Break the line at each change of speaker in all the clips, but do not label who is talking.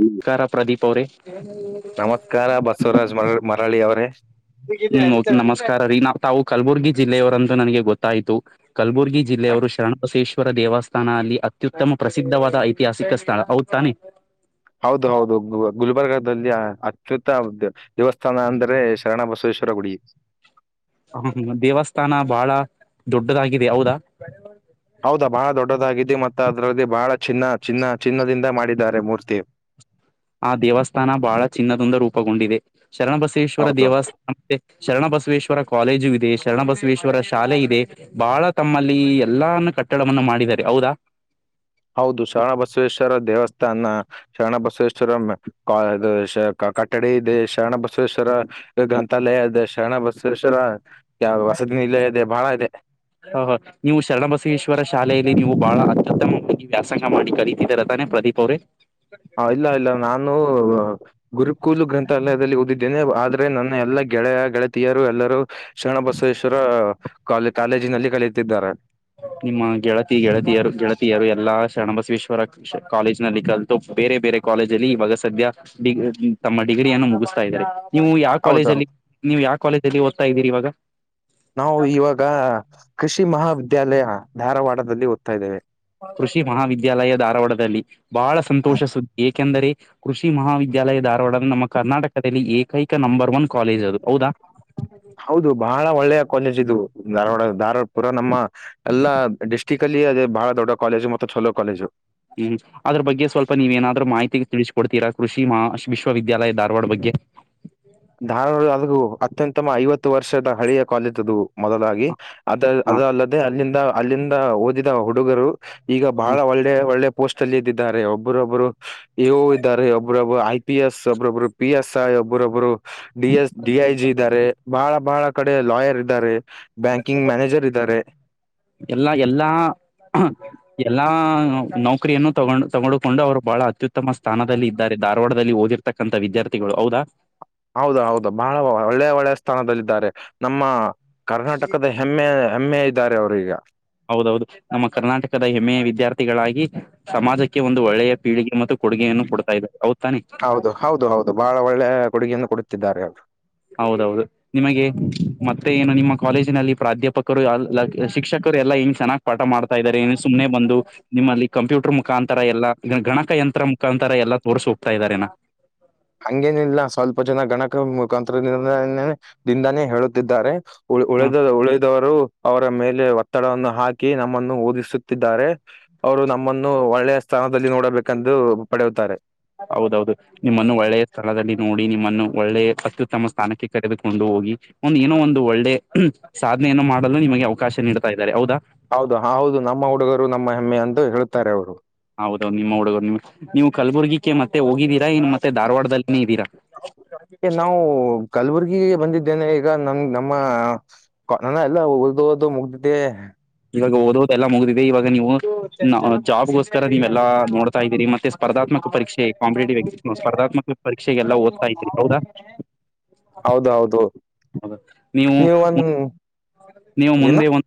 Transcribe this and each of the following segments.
ನಮಸ್ಕಾರ ಪ್ರದೀಪ್ ಅವ್ರೇ
ನಮಸ್ಕಾರ ಬಸವರಾಜ್ ಮರ ಮರಳಿ ಅವರೇ.
ಹ್ಮ್ ಓಕೆ ನಮಸ್ಕಾರ ರೀ ನಾ ತಾವು ಕಲಬುರ್ಗಿ ಜಿಲ್ಲೆಯವರಂತ ನನಗೆ ಗೊತ್ತಾಯ್ತು. ಕಲಬುರ್ಗಿ ಜಿಲ್ಲೆಯವರು ಶರಣಬಸೇಶ್ವರ ದೇವಸ್ಥ್ ಸ್ಥಾನ ಅಲ್ಲಿ ಅತ್ಯುತ್ತಮ ಪ್ರಸಿದ್ಧವಾದ ಐತಿಹಾಸಿಕ ಸ್ಥಳ ಹೌದು ತಾನೇ.
ಹೌದು ಹೌದು ಬ್ ಗುಲ್ಬರ್ಗದಲ್ಲಿ ಅತ್ಯುತ್ತ ದೇವಸ್ಥಾನ ಅಂದ್ರೆ ಶರಣ ಬಸವೇಶ್ವರ ಗುಡಿ.
ಹ ದೇವಸ್ಥಾನ ಬಾಳ ದೊಡ್ಡದಾಗಿದೆ ಯಾವದಾ
ಹೌದಾ ಬಹಳ ದೊಡ್ಡದಾಗಿದ್ದೆ ಮತ್ತು ಅದರಲ್ಲಿ ಬಹಳ ಚಿನ್ನ ಚಿನ್ನ ಚಿನ್ನದಿಂದ ಮಾಡಿದ್ದಾರೆ ಮೂರ್ತಿ‌.
ಆ ದೇವಸ್ಥಾನ ಬಹಳ ಚಿನ್ನದೊಂದಿ ರೂಪಗೊಂಡಿದೆ ಶರಣಬಸವೇಶ್ವರ
ಹೌದು
ದೇವಸ್ಥ್ ಮತ್ತೆ ಶರಣಬಸವೇಶ್ವರ ಕಾಲೇಜು ಇದೆ ಶರಣಬಸವೇಶ್ವರ ಶಾಲೆ ಇದೆ. ಬಾಳ ತಮ್ಮಲ್ಲಿ ಎಲ್ಲಾನೂ ಕಟ್ಟಡವನ್ನು ಮಾಡಿದಿದ್ದಾರೆ ಹೌದಾ.
ಹೌದು ಶರಣ ಬಸವೇಶ್ವರ ದೇವಸ್ಥಾನ ಶರಣ ಬಸವೇಶ್ವರ ಕಾ ಇದು ಶ ಕಟ್ ಕಡೆ ಇದೆ ಶರಣ ಬಸವೇಶ್ವರ ಗ್ರಂಥಾಲಯ ಇದೆ ಶರಣ ಬಸವೇಶ್ವರ ಯ ವಸತಿನಿಲಯ ಇಲ್ಲೇ ಇದೆ ಬಾಳ ಇದೆ.
ಹ ಹ ನೀವು ಶರಣಬಸವೇಶ್ವರ ಶಾಲೆಯಲ್ಲಿ ನೀವು ಬಹಳ ಅತ್ಯುತ್ತಮವಾಗಿ ವ್ಯಾಸಂಗ ಮಾಡಿ ಕಲ್ಲಿ ಇದರ ತಾನೆ ಪ್ರದೀಪ್ ಅವ್ರೇ.
ಹ ಇಲ್ಲ ಇಲ್ಲ ನಾನು ಗುರುಕೂಲು ಗ್ರಂಥಾಲಯದಲ್ಲಿ ಓದಿದ್ದೇನೆ ಆದ್ರೆ ನನ್ನ ಎಲ್ಲಾ ಗೆಳೆಯ ಗೆಳತಿಯರು ಎಲ್ಲರೂ ಶರಣಬಸವೇಶ್ವರ ಕಾಲೇಜ್ ನಲ್ಲಿ ಕಲಿ ತಿದ್ದಾರೆ
ನಿಮ್ಮ ಗೆಳತಿ ಗೆಳತಿಯರು ಗೆಳತಿಯರು ಎಲ್ಲಾ ಶರಣಬಸವೇಶ್ವರ ಕಾಲೇಜ್ ನಲ್ಲಿ ಕಲ್ತು ಬೇರೆ ಬೇರೆ ಕಾಲೇಜಲ್ಲಿ ಇವಾಗ ಸದ್ಯ ಡಿಗ್ ತಮ್ಮ ಡಿಗ್ರಿಯನ್ನು ಮುಗಿಸ್ತಾ ಇದ್ದಾರೆ. ನೀವು ಯಾವ
ಹೌದಾ
ಕಾಲೇಜಲ್ಲಿ ನೀವು ಯಾವ ಕಾಲೇಜಲ್ಲಿ ಓದ್ತಾ ಇದ್ದೀರಿ ಇವಾಗ
ನಾವು ಇವಾಗ ಕೃಷಿ ಮಹಾವಿದ್ಯಾಲಯ ಧಾರವಾಡದಲ್ಲಿ ಓದ್ತಾ ಇದ್ದೇವೆ.
ಕೃಷಿ ಮಹಾವಿದ್ಯಾಲಯ ಧಾರವಾಡದಲ್ಲಿ ಬಹಳ ಸಂತೋಷ ಸುದ್ದಿ ಏಕೆಂದರೆ ಕೃಷಿ ಮಹಾವಿದ್ಯಾಲಯ ಧಾರವಾಡ ನಮ್ಮ ಕರ್ನಾಟಕದಲ್ಲಿ ಏಕೈಕ ನಂಬರ್ ಒನ್ ಕಾಲೇಜ್ ಅದು ಹೌದಾ.
ಹೌದು ಬಹಳ ಒಳ್ಳೆಯ ಕಾಲೇಜ್ ಇದು ಧಾರವಾಡ ಧಾರವಾಡಪುರ ನಮ್ಮ ಅಲ್ಲ ಡಿಸ್ಟಿಕ್ ಅಲ್ಲಿ ಅದೇ ಬಹ ದೊಡ್ಡ ಕಾಲೇಜು ಮತ್ತೆ ಚೊಲೋ ಕಾಲೇಜು.
ಹ್ಮ್ ಅದ್ರ ಬಗ್ಗೆ ಸ್ವಲ್ಪ ನೀವ ಏನಾದ್ರು ಮಾಹಿತಿ ತಿಳಿಸಕೊಡ್ತೀರಾ ಕೃಷಿ ಮಾ ವಿಶ್ವವಿದ್ಯಾಲಯ ಧಾರವಾಡ ಬಗ್ಗೆ.
ಧಾರವಾಡ ಅತ್ಯಂತಮ ಐವತ್ತು ವರ್ಷದ ಹಳಿಯ ಕಾಲೇಜದ್ದು ಮೊದಲಾಗಿ. ಅದ
ಹ
ಅದ ಅಲ್ಲದೆ ಅಲ್ಲಿಂದ ಅಲ್ಲಿಂದ ಓದಿದ ಹುಡುಗರು ಈಗ
ಹ
ಬಹಳ ಒಳ್ಳೆ ಒಳ್ಳೆ. ಪೋಸ್ಟ್ ಅಲ್ಲಿ ಇದ್ದಿದ್ದಾರೆ ಒಬ್ಬರು ಒಬ್ಬರು ಇವು ಇದ್ದಾರೆ. ಒಬ್ಬ್ರೊಬ್ರ ಆಯ್ತ ಪಿಎಸ್ ಒಬ್ಬ್ರೊಬ್ಬರು ಪಿಎಸ್ಐ ಒಬ್ಬ್ರೊಬ್ರು. D S D I G ಇದ್ದಾರೆ ಬಹಳ ಬಹಳ ಕಡೆ ಲಾಯರ್ ಇದ್ದಾರೆ. ಬ್ಯಾಂಕಿಂಗ್ ಮ್ಯಾನೇಜರ್ ಇದ್ದಾರೆ.
ಎಲ್ಲಾ ಎಲ್ಲಾ. ಎಲ್ಲಾ ನೌಕರಿಯನ್ನು ತಗೊಂಡ್ ತಗೊಂಡಕೊಂಡು ಅವರು ಬಹಳ ಅತ್ಯುತ್ತಮ ಸ್ಥಾನದಲ್ಲಿ ಇದ್ದಾರೆ. ಧಾರವಾಡದಲ್ಲಿ ಓದಿರ್ ಇರ್ತಕ್ಕಂತ ವಿದ್ಯಾರ್ಥಿಗಳು ಹೌದಾ.
ಹೌದ ಹೌದು ಬಹಳ ಒಳ್ಳೆ ಒಳ್ಳೆ ಸ್ಥಾನದಲ್ಲಿದ್ದಾರೆ. ನಮ್ಮ ಕರ್ನಾಟಕದ ಹೆಮ್ಮೆ ಹೆಮ್ಮೆ ಇದ್ದಾರೆ ಅವರು ಈಗ.
ಹೌದೌದು ನಮ್ಮ ಕರ್ನಾಟಕದ ಹೆಮ್ಮೆಯ ವಿದ್ಯಾರ್ಥಿಗಳಾಗಿ, ಸಮಾಜಕ್ಕೆ ಒಂದು ಒಳ್ಳೆಯ ಪೀಳಿಗೆ ಮತ್ತು, ಕೊಡುಗೆಯನ್ನು ಕೊಡ್ತಾ ಇ ಹೌದ ತಾನೆ.
ಹೌದು ಹೌದು ಹೌದು ಬಹಳ ಒಳ್ಳೆಯ ಕೊಡುಗೆಯನ್ನು ಕೊಡುತ್ತಿದ್ದಾರೆ ಅವರು.
ಹೌದೌದು. ನಿಮಗೆ ಮತ್ತೆ ಏನು ನಿಮ್ಮ ಕಾಲೇಜಿನಲ್ಲಿ ಪ್ರಾಧ್ಯಾಪಕರು ಎಲ್ಕ ಶಿಕ್ಷಕರು ಎಲ್ಲಾ ಹಿಂಸೆನಾ. ಪಾಠ ಮಾಡ್ತಾ ಇದ್ದಾರೆ. ಏನ್ ಸುಮ್ನೆ ಬಂದು ನಿಮ್ಮಲ್ಲಿ, ಕಂಪ್ಯೂಟರ್ ಮುಖಾಂತರ ಎಲ್ಲ ಗಣಕ ಯಂತ್ರ ಮುಖಾಂತರ ಎಲ್ಲ ತೋರ್ಸ್ಹೋಗ್ತಾಇದರೇನಾ.
ಹಂಗೇನ ಇಲ್ಲ ಸ್ವಲ್ಪ ಜನ ಗಣಕ ಮುಖಾಂತ್ರರ ದಿಂದಾನೆ. ದಿಂದಾನೇ ಹೇಳುತ್ತಿದ್ದಾರೆ.
ಹ
ಉಳದ ಉಳಿದವರು ಅವರ ಮೇಲೆ ಒತ್ತಡವನ್ನು ಹಾಕಿ ನಮ್ಮನ್ನು ಓದಿಸುತ್ತಿದ್ದಾರೆ. ಅವರು ನಮ್ಮನ್ನು ಒಳ್ಳೆಯ ಸ್ಥಾನದಲ್ಲಿ ನೋಡಬೇಕೆಂದು ಪಡೆಯುತ್ತಾರೆ.
ಹೌದೌದು ನಿಮ್ಮನ್ನು ಒಳ್ಳೆಯ ಸ್ಥಳದಲ್ಲಿ. ನೋಡಿ ನಿಮ್ಮನ್ನು ಒಳ್ಳೆ ಅತ್ಯುತ್ತಮ ಸ್ಥಾನಕ್ಕೆ ಕರೆದುಕೊಂಡು ಹೋಗಿ. ಒಂದ ಏನೋ ಒಂದು ಒಳ್ಳೆ ಸಾಧನೆಯನ್ನು ಮಾಡಲು ನಿಮಗೆ ಅವಕಾಶ ನೀಡ್ತಾ ಇದ್ದಾರೆ ಹೌದಾ.
ಹೌದು ಹೌದು ನಮ್ಮ ಹುಡುಗರು ನಮ್ಮ ಹೆಮ್ಮೆ ಅಂತ ಹೇಳುತಾರೆ ಅವರು.
ಹೌದೌದು ನಿಮ್ಮ ಹುಡುಗರು ನಿಮ್ ನೀವು ಕಲಬುರ್ಗಿಕ್ಕೆ ಮತ್ತೆ ಹೋಗಿದ್ದೀರಾ ಇನ್ನು ಮತ್ತೆ ಧಾರವಾಡದಲ್ಲಿನೇ ಇದ್ದೀರಾ.
ನಾವು ಕಲಬುರ್ಗಿಗೆ ಬಂದಿದ್ದೇನೆ. ಈಗ ನಮ ನಮ್ಮ ಕ ಎಲ್ಲ ಓದೋದು ಮುಗ್ದೀದೆ.
ಇವಾಗ ಓದೋದೆಲ್ಲಾ ಮುಗ್ದಿದೆ ಇವಾಗ ನೀವು ನಾ ಜಾಬ್ಗೋಸ್ಕರ ನೀವೆಲ್ಲಾ ನೋಡ್ತಾ ಇದ್ದೀರಿ. ಮತ್ತೆ ಸ್ಪರ್ಧಾತ್ಮಕ ಪರೀಕ್ಷೆ ಕಾಂಪಟೇಟಿವ್ ಎಕ್ಸಾ ಸ್ಪರ್ಧಾತ್ಕ ಪರೀಕ್ಷೆಗೆಲ್ಲ ಓದ್ತಾ ಇದೀನರಿ ಹೌದಾ.
ಹೌದೌದು
ನೀವು
ನೀವ ಒಂದ
ನೀವು
ಏನ
ಮುಂದೆ ಒಂ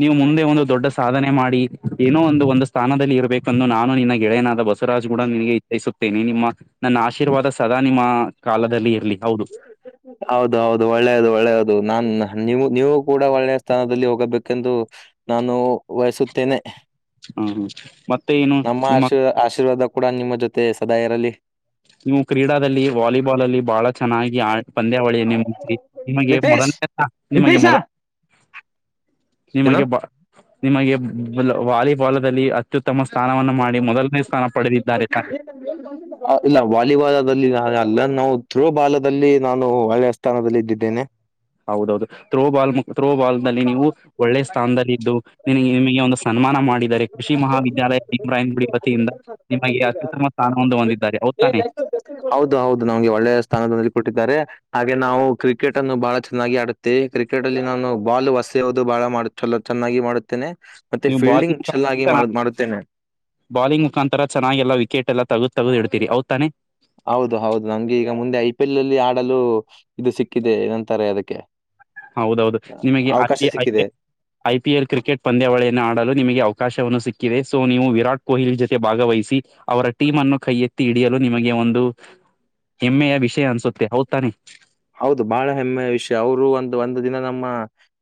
ನೀವು ಮುಂದೆ ಒಂದು ದೊಡ್ಡ ಸಾಧನೆ ಮಾಡಿ ಏನೋ ಒಂದು ಒಂದ ಸ್ಥಾನದಲ್ಲಿ ಇರಬೇಕಂದು, ನಾನು ನಿನ್ನ ಗೆಳೆಯನಾದ ಬಸ್ ಸವರಾಜ್ ಗೊಡ ನಿಮ್ಗೆ ಇಚ್ಛಿಸುತ್ತೇನೆ ನಿಮ್ಮ ನನ್ನ ಆಶೀರ್ವಾದ ಸದಾ ನಿಮ್ಮ ಕಾಲದಲ್ಲಿ ಇರ್ಲಿ ಹೌದು.
[inaudible] ಹೌದು ಹೌದು ಒಳ್ಳೇದು ಒಳ್ಳೇದು ನಾನ್ ನೀವು ನೀವು ಕೂಡ ಒಳ್ಳನಯ ಸ್ಥಾನದಲ್ಲಿ ಹೋಗಬೇಕೆಂದು. ನಾನು ವಯಸುತ್ತೇನೆ.
ಹ್ಮ ಮತ್ತೆ ಏನು
ನಮ್ಮ
ನಿಮ್ಮ
ಆಶೀರ್ ಆಶೀರ್ವಾದ ಕೂಡ ನಿಮ್ಮ ಜೊತೆ ಸದಾ ಇರಲಿ.
ನೀವು ಕ್ರೀಡಾದಲ್ಲಿ ವಾಲಿಬಾಲ್ ಅಲ್ಲಿ ಬಹಳ ಚೆನ್ನಾಗಿ ಆ ಪಂದ್ಯಾವಳಿಯನ್ನೇ ಮು ನಿಮಗೆ
ನಿತೇಶ್
ಮೊದನೇ ನಿಮಗೆ ಮೊದ
ಏನು
ನಿಮಗೆ ಬ ನಿಮಗೆ ಬ್ಲಾ ವಾಲಿಬಾಲ್ ಅಲ್ಲಿ. ಅತ್ಯುತ್ತಮ ಸ್ಥಾನವನ್ನು ಮಾಡಿ ಮೊದಲನೇ ಸ್ಥಾನ ಪಡೆದಿದ್ದಾರೆ ತಾನೆ.
ಹ ಇಲ್ಲ ವಾಲಿಬಾಲ್ ದಲ್ಲಿ ಆಗಲ್ಲ ನಾವು. ತ್ರೋಬಾಲದಲ್ಲಿ ನಾನು ಒಳ್ಳೆಯ ಸ್ಥಾನದಲ್ಲಿ ಇದ್ದಿದ್ದೇನೆ.
ಹೌದೌದು ಥತ್ರೋಬಾಲ್ ತ್ರ್ರೋಬಾಲ್ ನಲ್ಲಿ ನೀವು. ಒಳ್ಳೆ ಸ್ಥಾನದಲ್ಲ ಇದಿದ್ದು ನಿಿನ ನಿಮಗೆ ಒಂದು ಸನ್ಮಾನ ಮಾಡಿದರೆ. ಕೃಷಿ ಮಹಾವಿದ್ಯಾಲಯ ಇಮ್ರಾಯನ್ ಗುಡಿ ವತಿಯಿಂದ ನಿಮಗೆ ಅತ್ಯುತ್ತಮ ಸ್ಥಾನ ಹೊೊಂದು ಹೊಂದಿದ್ದಾರೆ ಹತಾನೆ.
ಹೌದು ಹೌದು ನಮ್ಗೆ ಒಳ್ಳೆಯ ಸ್ಥಾನದ ಕೊಟ್ಟಿದ್ದಾರೆ. ಹಾಗೆ ನಾವು ಕ್ರಿಕೆಟ್ ಅನ್ನು ಬಹಳ ಚೆನ್ನಾಗಿ ಆಡುತ್ತೆ ಕ್ರಿಕೆಟ್ ಅಲ್ಲಿ ನಾನು ಬಾಲ್ ಹೊಸೆಯೋದು ಬಹಳ ಮಾಡುತ್ತ. ಚಲ ಚೆನ್ನಾಗಿ ಮಾಡುತ್ತೇನೆ ಮತ್ತೆ
ನೀವು
ಫೀಲ್ಡಿಂಗ್ ಚೆನ್ನಾಗಿ ಮಾಡ ಮಾಡುತ್ತೇನೆ.
ಬೌಲಿಂಗ್ ಮುಖಾಂತರ ಚೆನ್ನಾಗ್ ಎಲ್ಲಾ ವಿಕೆಟ್ ಎಲ್ಲ ತೆಗೆದ್ ತೆಗದ್ ಇಡ್ತೀರಿ ಹೌದು ತಾನೆ.
ಹೌದು ಹೌದು ನಂಗೆ ಈಗ ಮುಂದೆ ಐ ಪಿ ಎಲ್ ಅಲ್ಲಿ ಆಡಲು ಇದು ಸಿಕ್ಕಿದೆ ಏನಂತಾರೆ ಅದಕ್ಕೆ.
ಹೌದೌದು
ಅ
ನಿಮಗೆ ಐ
ಅವಕಾಶ
ಪಿ ಐಪಿ.
ಸಿಕ್ಕಿದೆ.
ಐ ಪಿ ಎಲ್ ಕ್ರಿಕೆಟ್ ಪಂದ್ಯಾವಳಿಯನ್ನು ಆಡಲು ನಿಮಗೆ ಅವಕಾಶವನ್ನು ಸಿಕ್ಕಿದೆ ಸೊ ನೀವು ವಿರಾಟ್ ಕೊಹ್ಲಿ ಜೊತೆ ಭಾಗವಹಿಸಿ. ಅವರ ಟೀಮ್ ಅನ್ನು ಕೈ ಎತ್ತಿ ಹಿಡಿಯಲು ನಿಮಗೆ ಒಂದು. ಹೆಮ್ಮೆಯ ವಿಷಯ ಅನ್ಸುತ್ತೆ ಹೌತಾನೆ.
ಹೌದು ಬಹಳ ಹೆಮ್ಮೆಯ ವಿಷಯ ಅವರು ಒಂದು ಒಂದು ದಿನ ನಮ್ಮ.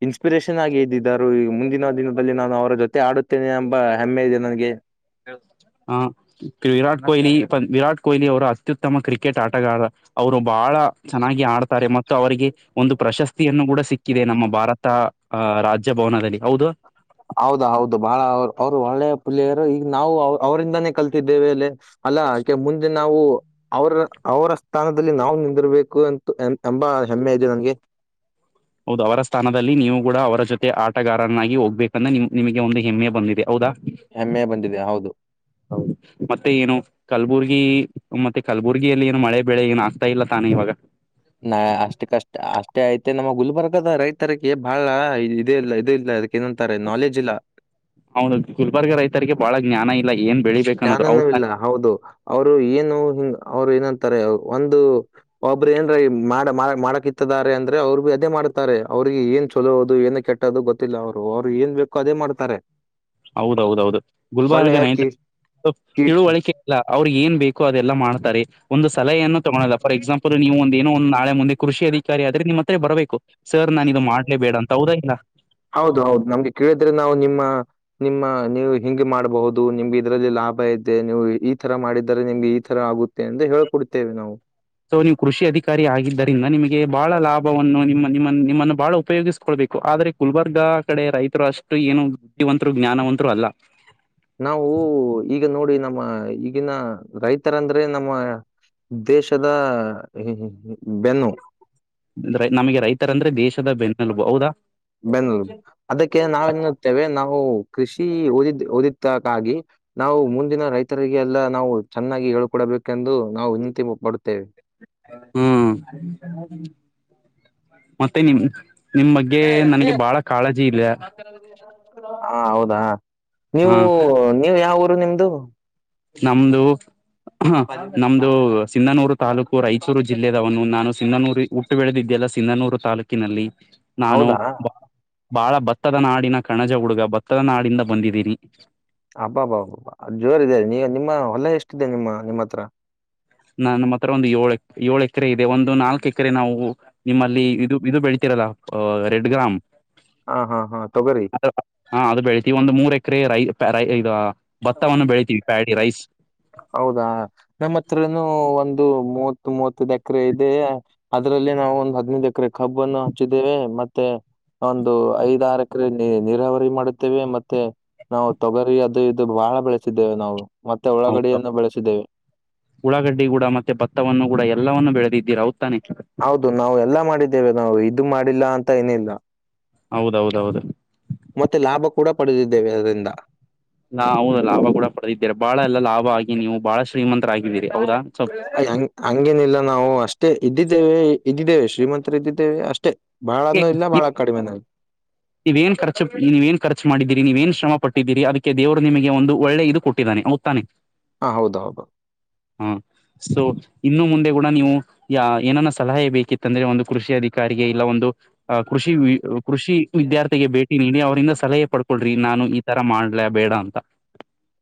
ಇನ್ಸ್ಪಿರೇಷನ್ ಆಗಿ ಇದ್ದಿದ್ದರು ಈ ಮುಂದಿನ ದಿನದಲ್ಲಿ ನಾನು ಅವರ ಜೊತೆ ಆಡುತ್ತೇನೆ ಎಂಬ ಹೆಮ್ಮೆ ಇದೆ ನನಗೆ.
ಹ ವಿರಾಟ್ ಕೊಹ್ಲಿ ವಿರಾಟ್ ಕೊಹ್ಲಿ ಅವರ ಅತ್ಯುತ್ತಮ ಕ್ರಿಕೆಟ್ ಆಟಗಾರ. ಅವರು ಬಹಳ ಚೆನ್ನಾಗಿ ಆಡ್ತಾರೆ ಮತ್ತು ಅವರಿಗೆ ಒಂದು ಪ್ರಶಸ್ತಿಯನ್ನು ಕೂಡ ಸಿಕ್ಕಿದೆ ನಮ್ಮ ಭಾರತ. ಆ ರಾಜಭವನದಲ್ಲಿ ಹೌದು.
ಹೌದ ಹೌದು ಬಾಳ ಅವ್ರು ಅವ್ರು ಒಳ್ಳೆ ಪ್ಲೇಯರು ಈಗ ನಾವು ಅವ್ರಿಂದಾನೇ ಕಲ್ತಿದ್ದೇವೆ ಅಲೆ. ಅಲ್ಲ ಅಕೆ ಮುಂದೆ ನಾವು. ಅವರ ಅವರ ಸ್ಥಾನದಲ್ಲಿ ನಾವು ನಿಂತಿರ್ಬೇಕು ಎಂತ ಎಂಬ ಹೆಮ್ಮೆ ಇದೆ ನನ್ಗೆ.
ಹೌದು ಅವರ ಸ್ಥಾನದಲ್ಲಿ ನೀವು ಕೂಡ ಅವರ ಜೊತೆ ಆಟಗಾರನ್ನಾಗಿ ಹೋಗ್ಬೇಕಂದ ನಿಮ ನಿಮಗೆ ಒಂದು ಹೆಮ್ಮೆ ಬಂದಿದೆ ಹೌದಾ.
ಹೆಮ್ಮೆ ಬಂದಿದೆ ಹೌದು.
ಹೌದು ಮತ್ತೆ ಏನು. ಕಲಬುರ್ಗಿ ಮತ್ತೆ ಕಲಬುರ್ಗಿಯಲ್ಲಿ ಏನು ಮಳೆ ಬೆಳೆ ಏನು ಆಗ್ತಾ ಇಲ್ಲ ತಾನೇ ಇವಾಗ.
ನಾ ಅಷ್ಟುಕಷ್ಟ ಅಷ್ಟೇ ಐತೆ ನಮ್ಮ ಗುಲ್ಬರ್ಗದ ರೈತರಿಗೆ ಬಾಳ ಇದು ಇಲ್ಲ ಇದು ಇಲ್ಲ. ಏನಂತಾರೆ ನಾಲೆಜ್ ಇಲ್ಲ.
ಅವೌನ ಗುಲ್ಬರ್ಗ ರೈತರಿಗೆ ಬಹಳ ಜ್ಞಾನ ಇಲ್ಲ ಏನ್. ಬೆಳಿಬೇಕ ಅನ್ನೋದು
ಜ್ಞಾನನೂ
ಹೌದ
ಇಲ್ಲ ಹೌದು ಅವರು ಏನು ಹಿಂಗ ಅವ್ರು ಏನಂತಾರೆ ಒಂದು. ಒಬ್ಬ್ರ ಏನ್ರ ಮಾಡ ಮಾಡಕ್ ಇತ್ತಾರೆ ಅಂದ್ರೆ ಅವ್ರು ಅದೇ ಮಾಡುತ್ತಾರೆ ಅವ್ರಿಗೆ ಏನ್ ಚಲೋದು ಏನ್ ಕೆಟ್ಟ. ದು ಗೊತ್ತಿಲ್ಲ ಅವ್ರು ಅವ್ರು ಏನ್ ಬೇಕೋ ಅದೇ ಮಾಡ್ತಾರೆ.
ಹೌದೌದೌದು ಗುಲ್ಬಾರ್ಗ
ಒಳ್ಳೆಯ
ನ
ಕೀಟ್ ಕೀಟ್
ತಿಳುವಳಿಕೆ. ಇಲ್ಲ ಅವ್ರ ಏನ್ ಬೇಕು ಅದೆಲ್ಲಾ ಮಾಡ್ತಾರೆ. ಒಂದು ಸಲಹೆಯನ್ನು ತಗೋಳಲ್ಲ ಫಾರ್ ಎಕ್ಸಾಪಲ್ ನೀವು ಒಂದ ಏನೊ ಒಂದು ಮುಂದೆ ನಾಳೆ ಕೃಷಿಯಲ್ಲಿ. ರಿ ಆದ್ರೆ ನಿಮ್ಮ್ ಹತ್ರ ಬರಬೇಕು ಸರ್ ನಾನು ಇದು ಮಾಡ್ಲೇ ಬೇಡ ಅಂತ ಹೌದಾ ಇಲ್ಲ ಹೌದು ಹೌದು.
ಕೇಳಿದ್ರೆ ನಾವು ನಿಮ್ಮ ನಿಮ್ಮ ನೀವು. ಹಿಂಗ ಮಾಡಬಹುದು ನಿಮ್ಗೆ ಇದರಲ್ಲಿ ಲಾಭ ಇದೆ ನೀವು ಈ ತರ ಮಾಡಿದರೆ ನಿಮ್ಗೆ ಈ ತರ ಆಗುತ್ತ. ಎಂದ ಹೇಳಿಕೊಡುತ್ತೇವೆ ನಾವು.
ಸೊ ನೀವು ಕೃಷಿ ಅಧಿಕಾರಿ ಆಗಿದ್ದರಿಂದ ನಿಮಗೆ ಬಹಳ ಲಾಭವನ್ನು ನಿಮ್ಮ ನಿಮ್ಮ ನಿಮ್ಮನ್ನು ಬಹಳ ಉಪಯೋಗಿಸ್ಕೊಳ್ಬೇಕು ಆದ್ರೆ. ಕುುಲ್ಬರ್ಗಾ ಕಡೆ ರೈತರು ಅಷ್ಟು ಏನು ಬುದ್ಧಿವಂತರು ಜ್ಞಾನವಂತರು ಅಲ್ಲ.
ನಾವು ಈಗ ನೋಡಿ ನಮ್ಮ ಈಗಿನ ರೈತರಂದ್ರೆ ನಮ್ಮ. ದೇಶದ ಬೆನ್ನು.
ನಮಗೆ ರೈತರ ಅಂದ್ರೆ ದೇಶದ ಬೆನ್ನಲುಬು ಹೌದಾ.
ಬೆನ್ನುಲು ಅದಕ್ಕೆ ನಾವೇನತ್ತೇವೆ ನಾವು ಕೃಷಿ ಓದಿದ ಓದಿದಕ್ಕಾಗಿ. ನಾವು ಮುಂದಿನ ರೈತರಿಗೆ ಎಲ್ಲ ನಾವು ಚೆನ್ನಾಗಿ ಹೇಳ್ಕೊಡಬೇಕೆಂದು ನಾವು ವಿನಂತತಿ ಮಾಡುತ್ತೇವೆ.
ಹ್ಮ್. ಮತ್ತೆ ನಿಮ ನಿಮ್ ಬಗ್ಗೆ ನನ್ಗೆ ಬಾಳ ಕಾಳಜಿ ಇಲ್ಲ.
ಹಾ ಹೌದಾ
ಹ
ನೀವು ನೀವು ಯಾವ ಊರು ನಿಮ್ದು.
ನಮ್ದು. ಹ ನಮ್ದು ಸಿಂಧನೂರು ತಾಲೂಕು ರಾಯಚೂರು ಜಿಲ್ಲೆದವನು ನಾನು ಸಿಂಧನೂರಿ ಹುಟ್ಟಿ ಬೆಳದಿದೇಲ್ಲ ಸಿಂಧನೂರು ತಾಲೂಕಿನಲ್ಲಿ. ನಾನು
ಹೌದಾ
ಬ ಬಾಳ ಭತ್ತದ ನಾಡಿನ ಕಣಜ ಹುಡುಗ ಭತ್ತದ ನಾಡಿಂದ ಬಂದಿದ್ದೀನಿ.
ಹಬ್ಬ ಹಬ್ಬಬ ಜೋರ ಇದೇ ನೀ ನಿಮ್ಮ ಹೊಲ ಎಷ್ಟಿದೆ ನಿಮ್ಮ ನಿಮ್ಮ ಹತ್ರ.
ನ ನಮ್ಮ ಹತ್ರ ಒಂದು ಏಳು ಏಳು ಎಕರೆ ಇದೆ. ಒಂದು ನಾಲ್ಕ ಎಕರೆ ನಾವು, ನಿಮ್ಮಲ್ಲಿ ಇದು ಇದು ಬೆಳ್ತಿರಲ್ಲ ಅಹ ರೆಡ್ ಗ್ರಾಮ್.
ಹ ಹಾ ಹಾ ತೊಗೊರಿ.
ಹಾ ಅದ ಬೆಳಿತೀ ಒಂದು ಮೂರ್ ಎಕರೆ ರೈ ಪ್ಯಾರೈ ಇದ ಭತ್ತವನ್ನು ಬೆಳತೀವಿ ಪ್ಯಾಡಿ ರೈಸ್.
ಹೌದಾ ನಮ್ಮ ಹತ್ರನು ಒಂದು ಮೂವತ್ ಮೂವತ್ತದ ಎಕರೆ ಇದೆ. ಅದ್ರಲ್ಲಿ ನಾವು ಒಂದ ಹದನೈದ್ ಎಕರೆ ಕಬ್ಬ ಅನ್ನು ಹಚ್ಚಿದ್ದೇವೆ. ಮತ್ತೆ, ಒಂದು ಐದಾರ ಎಕರೆ ನೀರಾವರಿ ಮಾಡುತ್ತೇವೆ. ಮತ್ತೆ, ನಾವು ತೊಗರಿ ಅದು ಇದು ಬಹಳ ಬೆಳೆಸಿದ್ದೇವೆ ನಾವು ಮತ್ತೆ ಉಳ್ಳಾಗಡ್ಡಿಯನ್ನು ಬೆಳೆಸಿದ್ದೇವೆ.
ಉಳಾಗಡ್ಡಿ ಗೊಡ ಮತ್ತೆ ಭತ್ತವನ್ನು ಗೊಡ ಎಲ್ಲವನ್ನು ಬೇಳೆದಿದ್ದೀರ ಹೌದ್ ತಾನೆ.
ಹೌದು ನಾವು ಎಲ್ಲಾ ಮಾಡಿದ್ದೇವೆ ನಾವು ಇದು ಮಾಡಿಲ್ಲ ಅಂತ ಏನ್ ಇಲ್ಲ.
ಹೌದೌದೌದ.
ಮತ್ತೆ ಲಾಭ ಕೂಡ ಪಡೆದಿದ್ದೇವೆ ಅದರಿಂದ.
ಲಾ ಹೌದಾ ಲಾಭ ಕೂಡ ಪಡೆದಿದೀರ ಬಾಳ ಎಲ್ಲಾ ಲಾಭ ಆಗಿ ನೀವು ಬಾಳ ಶ್ರೀಮಂತರ ಆಗಿದ್ದೀರಿ ಹೌದಾ. ಸ್ವಲ್
ಅಯ ಹಂಗ್ ಹಂಗೇನಿಲ್ಲ ನಾವು ಅಷ್ಟೇ ಇದ್ದಿದ್ದೇವೆ ಇದ್ದಿದ್ದೇವೆ ಶ್ರೀಮಂತರ ಇದ್ದಿದ್ದೇವೆ ಅಷ್ಟೇ. ಬಾಳನು ಇಲ್ಲ ಬಾಳ ಕಡಿಮೆನು ಇಲ್ಲ.
ನೀವೇನ್ ಖರ್ಚ ನೀವೇನ್ ಖರ್ಚ ಮಾಡಿದೀರಿ ನೀವ್ ಏನ್ ಶ್ರಮ ಪಟ್ಟಿದ್ದೀರಿ ಅದಕ್ಕೆ ದೇವರು ನಿಮಗೆ ಒಂದು ಒಳ್ಳೆ ಇದು ಕೊಟ್ಟಿದಾನೆ ಹೌದ್ ತಾನೇ.
ಹ ಹೌದ ಹೌದ
ಹಾ ಸೊ ಇನ್ನು ಮುಂದೆ ಗೊಡ ನೀವು, ಯಾ ಏನನಾ ಸಲಹೆ ಬೇಕಿತ್ತಂದ್ರೆ ಒಂದು ಕೃಷಿ ಅಧಿಕಾರಿಗೆ ಇಲ್ಲ ಒಂದು ಅ ಕೃಷಿ ವಿ ಕೃಷಿ ವಿದ್ಯಾರ್ಥಿಗೆ
ಹೌದು
ಭೇಟಿ ನೀಡಿ ಅವ್ರಂದ ಸಲಹೆ ಪಡ್ಕೊಳ್ರಿ ನಾನು ಈ ತರ ಮಾಡ್ಲ್ಯಾ ಬೇಡ ಅಂತ.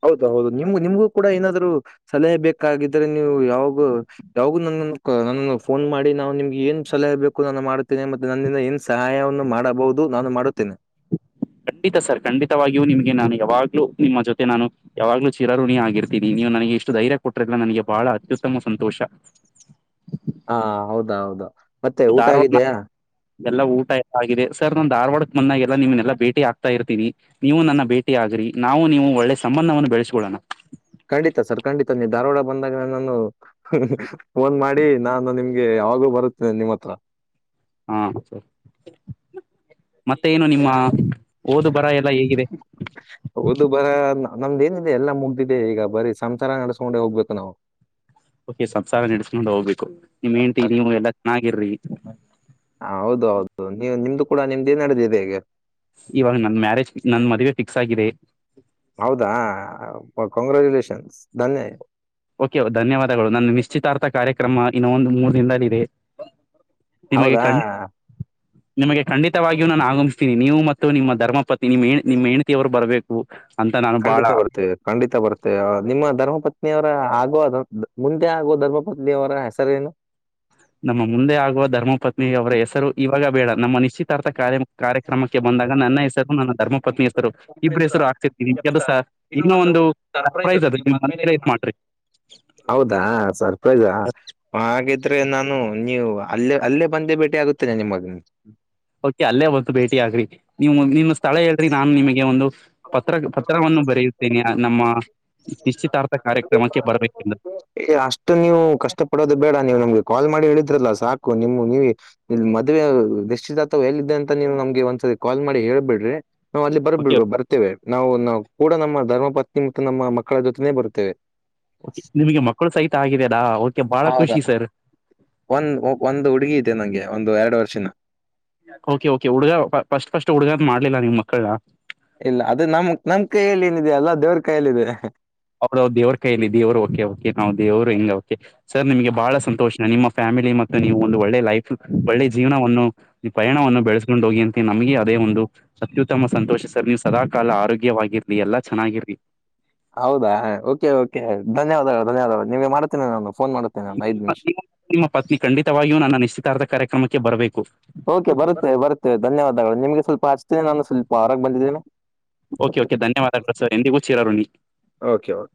ಹೌದ ಹೌದು ನಿಮ್ಗ್ ನಿಮ್ಗೂ ಕೂಡ ಏನಾದರು ಸಲಹೆ ಬೇಕಾಗಿದ್ರೆ. ನೀವು ಯಾವಾಗು, ಯಾವ್ಗೂ ನನ್ನನ್ನ ನನ್ನನ ಫೋನ್ ಮಾಡಿ ನಾವ್ ನಿಮ್ಗೆ ಏನ್ ಸಲಹೆ ಬೇಕು ನಾನು ಮಾಡ್ತಿನಿ ಮತ್ತೆ ನನ್ನಿಂದ ಏನ್ ಸಹಾಯವನ್ನು ಮಾಡಬಹುದು ನಾನು ಮಾಡುತ್ತೇನೆ.
ಖಂಡಿತ ಸರ್ ಖಂಡಿತವಾಗಿಯೂ ನಿಮಗೆ ನಾನು ಯಾವಾಗ್ಲೂ ನಿಮ್ಮ ಜೊತೆ ನಾನು, ಯಾವಾಗ್ಲೂ ಚಿರಋಣಿ ಆಗಿರ್ತೀನಿ ನೀನು ನನ್ಗೆ ಇಷ್ಟು ಧೈರ್ಯ ಕೊಟ್ಟ್ರಿಲ್ಲ ನನಗೆ ಬಹಳ ಅತ್ಯುತ್ತಮ ಸಂತೋಷ.
ಹಾ ಹೌದ ಹೌದು ಮತ್ತೆ ಊಟ
ಧಾರವಾಡ
ಆಗಿದೆಯಾ.
ಎಲ್ಲ ಊಟ ಆಗಿದೆ ಸರ್ ನಾನ್ ಧಾರವಾಡಕ್ಕೆ ಬಂದಾಗೇಲ್ಲ ನಿಮ್ನೆಲ್ಲಾ ಭೇಟಿ ಆಗ್ತಾಇರ್ತಿನಿ. ನೀವು ನನ್ನ ಭೇಟಿ ಆಗ್ರಿ ನಾವು ನೀವು ಒಳ್ಳೆ ಸಂಬಂಧವನ್ನು ಬೆಳ್ಸಕೊಳ್ಳೋಣ.
ಖಂಡಿತ ಸರ್ ಖಂಡಿತ ನೀ ಧಾರವಾಡ ಬಂದಾಗ ನನ್ನನ್ನು ಫೋನ್ ಮಾಡಿ. ನಾನು ನಿಮ ಯಾವಾಗೋ ಬರುತ್ತೆ ನಿಮ್ಮ ಹತ್ರ.
ಹಾ ಸರಿ ಮತ್ತೆ ಏನು ನಿಮ್ಮ ಓದು ಬರಹ ಎಲ್ಲ ಹೇಗಿದೆ.
ಓದು ಬರಹ ನಮ್ದ ಏನಿದೆ ಎಲ್ಲ ಮುಗ್ದಿದೆ ಈಗ ಬರೀ ಸಂಸಾರ ನಡ್ಸ್ಕೊಂಡೆ ಹೋಗ್ಬೇಕು ನಾವು.
ಓಕೆ ಸಂಸಾರ ನಡಸ್ಕೊಂಡು ಹೋಗ್ಬೇಕು ನಿಮ್ ಹೇಣ್ತಿ ನೀವು ಎಲ್ಲಾ ಚೆನ್ನಾಗಿರ್ರಿ.
ಹ ಹೌದೌದು ನೀವು ನಿಮ್ದು ಕೂಡ ನಿಮ್ದ್ ಏನ್ ನಡೆದಿದೆ ಈಗ.
ಇವಾಗ ನಮ್ ಮ್ಯಾರೇಜ್ ನನ್ ಮದುವೆ ಫಿಕ್ಸ್ ಆಗಿದೆ.
ಹೌದಾ ಕ ಕಂಗ್ಗ್ರಾಚುಲೇಷನ್ಸ್ ಧನ್ಯ
ಓಕೆ ಧನ್ಯವಾದಗಳು ನನ್ನ ನಿಶ್ಚಿತಾರ್ಥ ಕಾರ್ಯಕ್ರಮ ಇನವೊಂದು ಮೂರು ದಿನದಲ್ಲಿ ಇದೆ. ನಿಮಗೆ
ಹೌದಾ
ಕಳಿ ನಿಮಗೆ ಖಂಡಿತವಾಗಿಯೂ ನಾನು ಆಗಮಿಸ್ತೀನಿ ನೀವು ಮತ್ತು ನಿಮ್ಮ ಧರ್ಮಪತ್ನಿ ನಿಮ ಹಣ್ತಿ ನಿಮ್ಮ ಹೆೇಣ್ತಿಯವರು ಬರಬೇಕು. ಅಂತ ನಾನು ಬಾಳ.
ಖಂಡಿತ ಬರ್ತೇವೆ ಖಂಡಿತ ಬರುತ್ತೆ ನಿಮ್ಮ ಧರ್ಮ ಪತ್ನಿಯವರ ಆಗುವ ಮುಂದೆ ಆಗುವ ಧರ್ಮ ಪತ್ನಿಯವರ ಹೆಸರೇನು.
ನಮ್ಮ ಮುಂದೆ ಆಗುವ ಧರ್ಮಪತ್ನಿ ಅವರ ಹೆಸರು ಇವಾಗ ಬೇಡ ನಮ್ಮ ನಿಶ್ಚಿತಾರ್ಥ ಕಾರ್ಯ ಕಾರ್ಯಕ್ರಮಕ್ಕೆ ಬಂದಾಗ. ನನ್ನ ಅನ್ನ ಹೆಸರು ನನ್ನ ಧರ್ಮಪತ್ನಿ ಹೆಸರು ಇಬ್ರ ಹೆಸರು ಹಾಗ್ಸಿರ್ತೀನಿ ಕೆಲಸ
ಇನ್ನೂ
ಇನ್ನ ಒಂದು ಸರ್ಪ್ರೈಸ್ ಅದು
ನೀವು
ನಿಮ್
ಮದ್ಮೇಲೆ ಇದು
ಮನ್ಸಲ್ಲೇ
ಮಾಡಿ
ಮಾಡ್ರಿ.
ಹೌದಾ ಸರ್ಪ್ರೈಜಾ. ಹಾಗಿದ್ರೆ ನಾನು ನೀವು ಅಲ್ಲೇ ಅಲ್ಲೇ ಬಂದೇ ಭೇಟಿ ಆಗುತ್ತೇನೆ ನಿಮಗೆ.
ಓಕೆ ಅಲ್ಲೇ ಒತ್ತು ಭೇಟಿ ಆಗ್ರಿ ನೀವು ನಿನ್ನ ಸ್ಥಳ ಹೇಳ್ರಿ ನಾನು ನಿಮಗೆ ಒಂದು. ಪತ್ರ ಪತ್ರವನ್ನು ಬರೆಯುತ್ತೇನೆ ನಮ್ಮ ನಿಶ್ಚಿತಾರ್ಥ ಕಾರ್ಯಕ್ರಮಕ್ಕೆ ಬರಬೇಕೆಂದು.
ಎ ಅಷ್ಟು ನೀವು ಕಷ್ಟ ಪಡೋದು ಬೇಡ ನೀವು ನಮ್ಗೆ ಕಾಲ್ ಮಾಡಿ ಹೇಳಿದ್ರಲ್ಲ ಸಾಕು ನಿಮಗ್ ನೀವೆ. ಇಲ್ ಮದ್ವೆ ನಿಶ್ಚಿತಾರ್ಥ ಎಲ್ಲದೆ ಅಂತ ನೀವ್ ನಮ್ಗೆ ಒಂದ್ಸರಿ ಕಾಲ್ ಮಾಡಿ ಹೇಳ್ಬಿಡ್ರಿ. ನಾವು ಅಲ್ಲಿ
ಓಕೆ
ಬರ್ಬ ಬರ್ತ್ತೇವೆ ನಾವು ನಾವು ಕೂಡ ನಮ್ಮ ಧರ್ಮ ಪತ್ನಿ ಮತ್ತು ನಮ್ಮ ಮಕ್ಕಳ ಜೊತೆನೇ ಬರ್ತ್ತೇವೆ.
ನಿಮಗೆ ಮಕ್ಕಳು ಸಹಿತ ಆಗಿದೆ ನಾ ಓಕೆ ಬಾಹಳ
ಹೌದಾ
ಖುಷಿ ಸರ್.
ಒಂದ್ ಒಂದು ಹುಡುಗಿ ಇದೆ ನಂಗೆ ಒಂದು ಎರಡು ವರ್ಷಿನ.
ಓಕೆ ಓಕೆ ಹುಡ್ಗ ಫಸ್ಟ್ ಫಸ್ಟ್ ಹುಡ್ಗಗ್ ಮಾಡ್ಲಿಲ್ಲ ನಿವ್ ಮಕ್ಳನ.
ಇಲ್ಲ ಅದು ನಮ್ ನಮ್ ಕೈಯಲ್ಲಿ ಏನಿದೆ ಎಲ್ಲ ದೇವ್ರ ಕೈಯಲ್ಲಿದೆ.
ಅವ್ರ್ ದೇವ್ರ ಕೈಯಲ್ಲಿ ದೇವರು ಓಕೆ ಓಕೆ ನಾವು ದೇವ್ರು ಹೆಂಗ ಕೆ ಸರ್ ನಿಮಗೆ ಬಹಳ ಸಂತೋಷ ನಿಮ್ಮ ಫ್ಯಾಮಿಲಿ ಮತ್ತೆ ನೀವು ಒಂದು ಒಳ್ಳೆ ಲೈಫ್ ಒಳ್ಳೆ ಜೀವನವನ್ನು ಪಯಾಣವನ್ನು ಬೆಳೆಸ ಕೊಂಡು ಹೋಗಿ ಅಂತೆ ನಮಗೆ ಅದೇ ಒಂದು. ಅತ್ಯುತ್ತಮ ಸಂತೋಷ ಸರ್ ನೀವು ಸದಾ ಕಾಲ ಆರೋಗ್ಯವಾಗಿರ್ಲಿ ಎಲ್ಲಾ ಚೆನ್ನಾಗಿರ್ಲಿ.
ಹೌದಾ ಓಕೆ ಓಕೆ ಧನ್ಯವಾದಗಳು ಧನ್ಯವಾದಗಳು ನಿಮಗೆ ಮಾಡುತ್ತೇನೆ ನಾನು ಫೋನ್ ಮಾಡ್ತೇನೆ ನಾನು ಒಂದೈದ ನಿಮಿಷ.
ಮತ್ತ್ ನೀವು ನಿಮ್ಮ ಪತ್ನಿ ಖಂಡಿತವಾಗಿಯೂ ನನ್ನ ನಿಶ್ಚಿತಾರ್ಥ ಕಾರ್ಯಕ್ರಮಕ್ಕೆ ಬರಬೇಕು.
ಓಕೆ ಬರುತ್ತೆ ಬರುತ್ತೇವೆ ಧನ್ಯವಾದಗಳು ನಿಮ್ಗೆ ಸ್ವಲ್ಪ ಹಚ್ತನೆ ನಾನು ಸ್ವಲ್ಪ ಹೊರಗೆ ಬಂದಿದ್ದೀನಿ.
ಓಕೆ ಓಕೆ ಧನ್ಯವಾದಗಳು ಸರ್ ಎಂದಿಗೂ ಚಿರರುಣಿ.
Okay okay